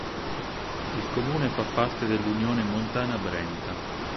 Il comune fa parte dell'Unione montana Brenta.